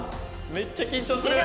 めっちゃ緊張する。